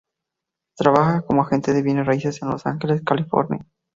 Trabaja como agente de bienes raíces en Los Ángeles, California.